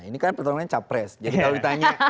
ini kan pertarungannya capres jadi kalau ditanya